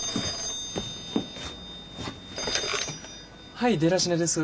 はいデラシネです。